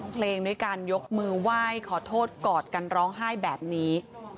เพลงด้วยการยกมือไหว้ขอโทษกอดกันร้องไห้แบบนี้